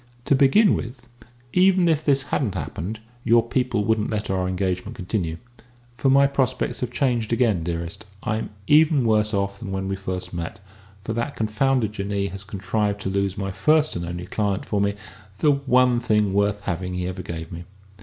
To begin with, even if this hadn't happened, your people wouldn't let our engagement continue. For my prospects have changed again, dearest. I'm even worse off than when we first met, for that confounded Jinnee has contrived to lose my first and only client for me the one thing worth having he ever gave me."